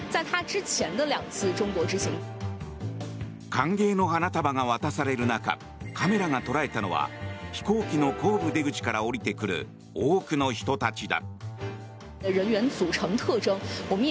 歓迎の花束が渡される中カメラが捉えたのは飛行機の後部出口から降りてくる多くの人たちだ。